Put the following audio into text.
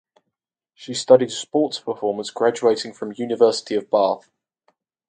She studied Sports Performance graduating from University of Bath.